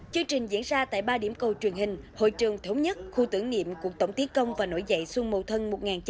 chương trình diễn ra tại ba điểm câu truyền hình hội trường thống nhất khu tưởng niệm cuộc tổng tiến công và nổi dậy xuân mậu thân